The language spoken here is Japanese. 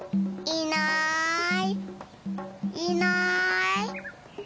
いない。